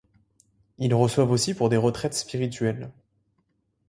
Ils reçoivent aussi pour des retraites spirituelles.